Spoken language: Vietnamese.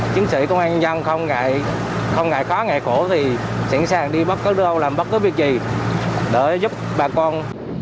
chính sĩ công an nhân dân không ngại khó ngại khổ thì sẵn sàng đi bất cứ đâu làm bất cứ việc gì để giúp bà con